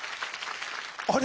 あれ？